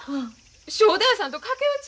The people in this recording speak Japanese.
正太夫さんと駆け落ち？